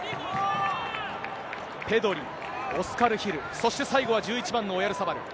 ペドリ、オスカル・ヒル、そして最後は１１番のオヤルサバル。